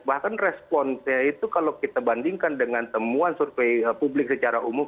bahkan responsnya itu kalau kita bandingkan dengan temuan survei publik secara umum